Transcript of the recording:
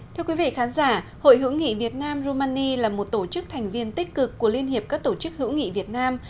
thưa quý vị khán giả hội hữu nghị việt nam romani là một tổ chức thành viên tích cực của liên hiệp các tổ chức hữu nghị việt nam